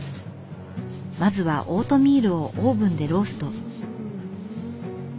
まずはオートミールをオーブンでロースト。